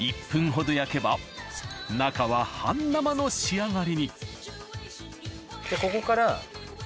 １分ほど焼けば中は半生の仕上がりにここから。